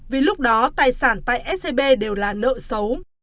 vì lúc đó tài sản tại scb đều là nợ xấu